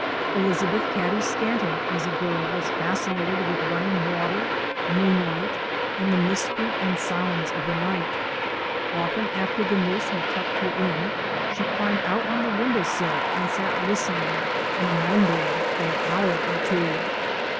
Elizabeth Cady Stanton, as a little girl, was fas cinated with running water, moonlight, and the mystery and sounds of the night. Often after the nurse had tucked her in she climbed out on the window sill and sat listening and wondering for an hour or two.